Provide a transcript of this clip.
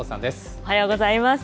おはようございます。